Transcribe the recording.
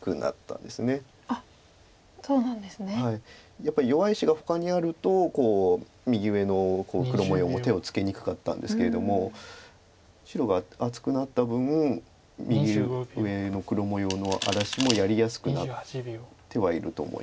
やっぱり弱い石がほかにあると右上の黒模様も手をつけにくかったんですけれども白が厚くなった分右上の黒模様の荒らしもやりやすくなってはいると思います。